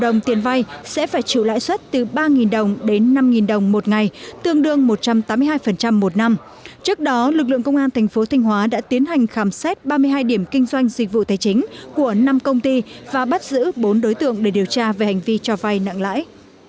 công ty trách nhiệm hưu hạn dịch vụ tài chính đại tín do đỗ thế đại ba mươi năm tuổi thường trú tại tp thanh hóa thành khám xét ba mươi hai điểm kinh doanh dịch vụ tài chính của năm công ty và bắt giữ bốn đối tượng để điều tra về hành vi cho vay nặng lãi